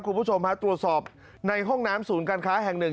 คุณผู้ชมฮะตรวจสอบในห้องน้ำศูนย์การค้าแห่งหนึ่ง